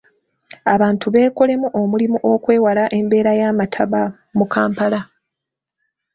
Abantu beekolemu omulimu okwewala embeera y’amataba mu Kampala.